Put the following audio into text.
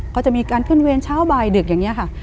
เขาจะมีการขึ้นเวรเช้าบ่ายดึกอย่างนี้ค่ะ